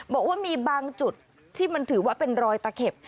บอกว่ามีบางจุดที่มันถือว่าเป็นรอยตะเข็บ